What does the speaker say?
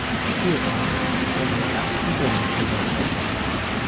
Spieltag, seinen ersten Bundesligatreffer.